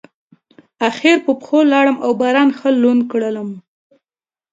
اخر په پښو لاړم او باران ښه لوند کړلم.